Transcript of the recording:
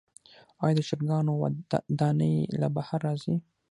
آیا د چرګانو دانی له بهر راځي؟